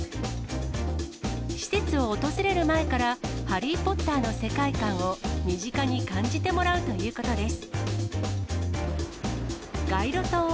施設を訪れる前から、ハリー・ポッターの世界観を身近に感じてもらうということです。